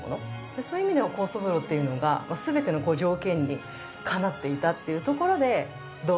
そういう意味では酵素風呂っていうのが全ての条件にかなっていたっていうところでどう？